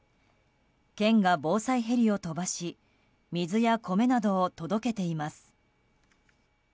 県が防災ヘリを飛ばし水や米などを届けています。